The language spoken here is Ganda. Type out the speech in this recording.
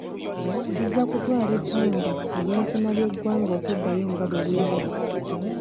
Kijja kutwala ebbanga eby'enfuna by'eggwanga okuddayo nga bwe byali.